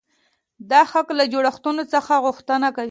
دا حق له جوړښتونو څخه غوښتنه کوي.